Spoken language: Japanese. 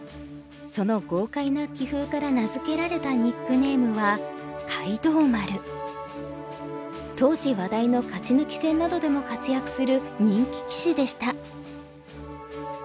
その豪快な棋風から名付けられたニックネームは当時話題の勝ち抜き戦などでも活躍する人気棋士でした。